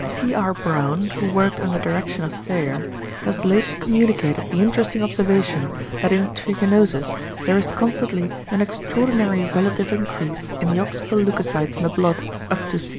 T. R. Brown, who worked under direction of Thayer, has lately communicated the interesting observation that in =trichinosis= there is constantly an extraordinary relative increase in the oxyphil leucocytes in the blood, up to 68%.